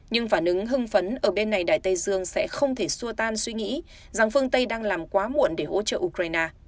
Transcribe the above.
nhưng phản ứng hưng phấn ở bên này đại tây dương sẽ không thể xua tan suy nghĩ rằng phương tây đang làm quá muộn để hỗ trợ ukraine